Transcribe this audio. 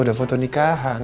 udah foto nikahan